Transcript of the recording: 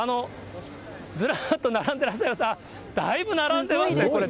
ずらっと並んでいらっしゃいます、あっ、だいぶ並んでますね、これ。